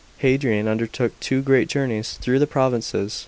§ 8. Hadrian undertook two great journeys through the provinces.